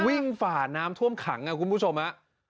วิ่งฝาน้ำท่วมขังอะคุณผู้ชมนะ